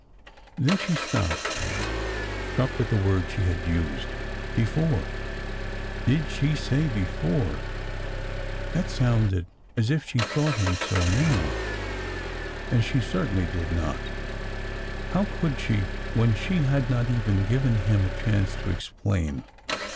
Then she stopped, struck with the word she had used. Before? did she say before? That sounded as if she thought him so now,— and she certainly did not. How could she when she had not even given him a chance to explain!